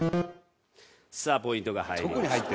さあポイントが入りました。